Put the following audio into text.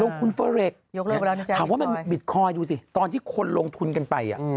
ลงทุนเฟอร์เร็กซ์ถามว่ามันบิตคอยด์ดูสิตอนที่คนลงทุนกันไป